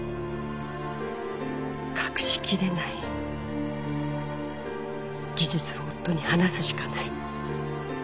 「隠しきれない」「事実を夫に話すしかない」